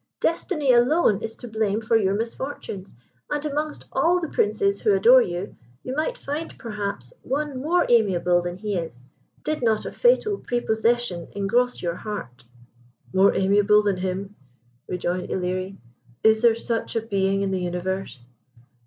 Destiny alone is to blame for your misfortunes, and amongst all the princes who adore you, you might find, perhaps, one more amiable than he is, did not a fatal prepossession engross your heart." "More amiable than him!" rejoined Ilerie. "Is there such a being in the universe?